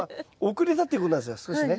遅れたっていうことなんですよ少しね。